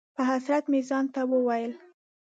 په حسرت مې ځان ته وویل: